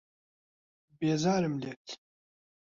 بێزارم لێت.